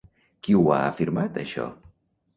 Qui ho ha afirmat això?